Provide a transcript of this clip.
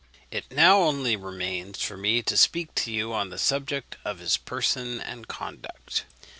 "It now only remains for me to speak to you on the subject of his person and conduct.